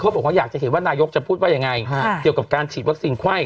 บอกว่าอยากจะเห็นว่านายกจะพูดว่ายังไงเกี่ยวกับการฉีดวัคซีนไข้